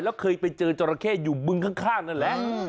แล้วเคยไปเจอจราเข้อยู่บึงข้างนั่นแหละ